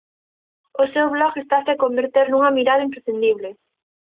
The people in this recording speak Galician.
O seu blog estase a converter nunha mirada imprescindible.